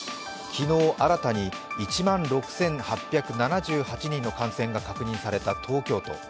昨日、新たに１万６８７８人の感染が確認された東京都。